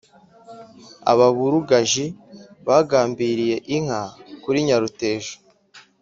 Ababurugaji bagambiriye inka kuri Nyaruteja,